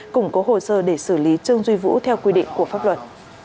củng cố hồ sơ để xử lý trương duy vũ theo quy định của pháp luật